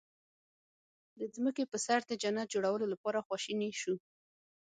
د ځمکې په سر د جنت جوړولو لپاره خواشني شو.